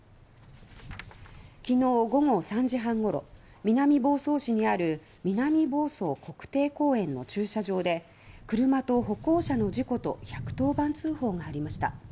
昨日午後３時半ごろ南房総市にある南房総国定公園の駐車場で車と歩行者の事故と１１０番通報がありました。